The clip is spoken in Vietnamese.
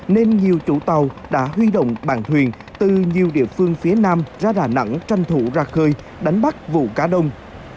nên nhiều chủ tàu đã huy động bàn thuyền từ nhiều địa phương phía nam ra đà nẵng tranh thủ ra khơi đánh bắt vụ cá đông